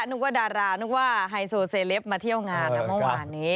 นึกว่าดารานึกว่าไฮโซเซเลปมาเที่ยวงานนะเมื่อวานนี้